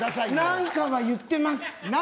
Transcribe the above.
何かは言ってます。